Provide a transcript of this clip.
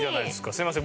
すいません